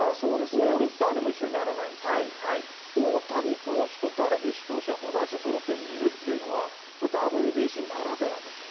オールスターでも一緒にならないし、大谷投手とダルビッシュ投手が同じブルペンにいるっていうのですね。